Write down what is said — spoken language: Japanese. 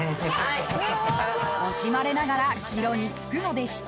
［惜しまれながら帰路につくのでした］